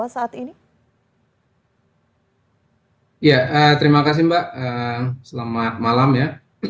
saat ini ya terima kasih mbak selamat malam ya